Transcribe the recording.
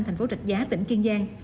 thành phố rạch giá tỉnh kiên giang